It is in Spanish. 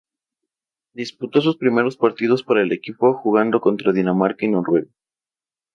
Disputó sus primeros partidos para el equipo, jugando contra Dinamarca y Noruega.